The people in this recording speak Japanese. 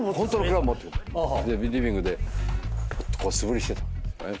でリビングでこう素振りしてたんです。